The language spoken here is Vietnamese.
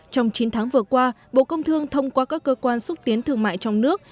trong chín tháng vừa qua bộ công thương thông qua các cơ quan xúc tiến thương mại trong nước